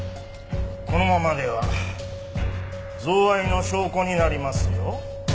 このままでは贈賄の証拠になりますよ。